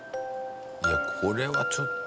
いやこれはちょっと。